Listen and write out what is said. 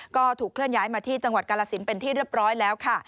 ก็ถูกเคลื่อนย้ายมาที่จังหวัดกาลสินเป็นที่เรียบร้อยแล้วค่ะ